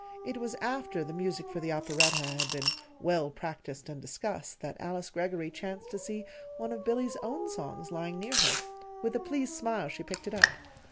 It was after the music for the operetta had been well practised and discussed that Alice Greggory chanced to see one of Billy's own songs lying near her. With a pleased smile she picked it up.